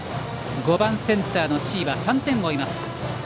５番、センターの椎葉３点を追います。